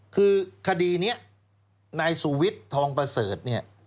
คือคดีนี้นายสุวิทย์ทองประเสริฐเนี่ย